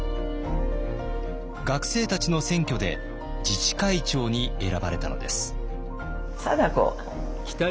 学生たちの選挙で自治会長に選ばれたのです。